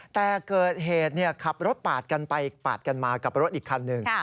แต่เกิดเหตุขับรถปาดกันไปปาดกันมากับรถอีกคันหนึ่ง